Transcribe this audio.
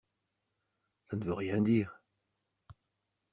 Ça ne veut rien dire.